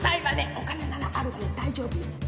お金ならあるわよ大丈夫よ